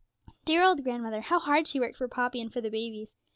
Dear old grandmother! how hard she worked for Poppy and for the babies!